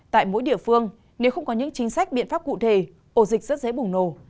trách biện pháp cụ thể ổ dịch rất dễ bùng nổ